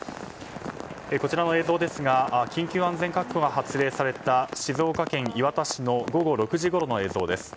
こちらの映像ですが緊急安全確保が発令された静岡県磐田市の午後６時ごろの映像です。